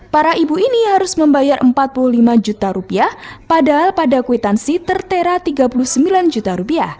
para ibu ini harus membayar rp empat puluh lima juta rupiah padahal pada kwitansi tertera rp tiga puluh sembilan juta